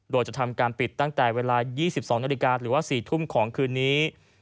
โดยจะทำการปิดตั้งแต่เวลา๒๒นาฬิกาหรือว่า๔ทุ่มของคืนนี้